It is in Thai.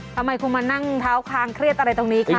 ทำไมคุณมานั่งเท้าคางเครียดอะไรตรงนี้คะ